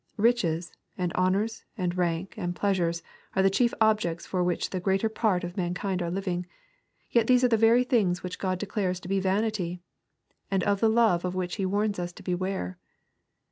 Riches, and honors, and rank, and pleasure, are the chief objects foi which the greater part of mankind are living. Yet these are the very things which God declares to be "vanity," and of the love of which He warns us to beware